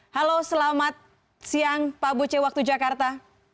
halo selamat siang pak bu celi waktu jakarta